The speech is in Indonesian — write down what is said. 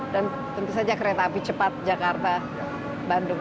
dan tentu saja kereta api cepat jakarta bandung